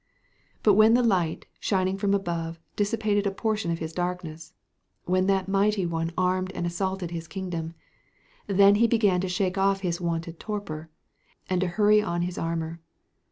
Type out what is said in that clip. But when the light shining from above dissipated a portion of his darkness when that Mighty One alarmed and assaulted his kingdom then he began to shake off his wonted torpor, and to hurry on his armour.